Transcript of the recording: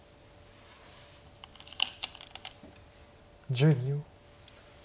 １０秒。